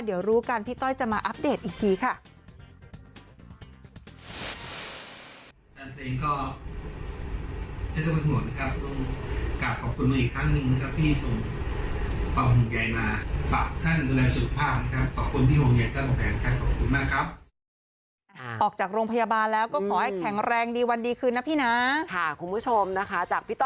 เดี๋ยวรู้กันพี่ต้อยจะมาอัปเดตอีกทีค่ะ